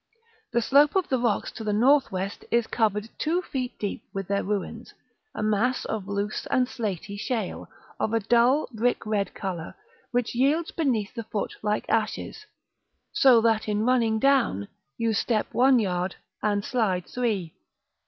The slope of the rocks to the north west is covered two feet deep with their ruins, a mass of loose and slaty shale, of a dull brick red color, which yields beneath the foot like ashes, so that, in running down, you step one yard, and slide three.